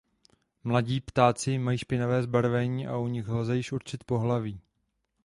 Mladí ptáci mají špinavé zbarvení a u nich lze již určit pohlaví.